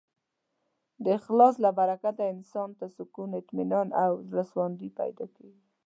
د اخلاص له برکته انسان ته سکون، اطمینان او زړهسواندی پیدا کېږي.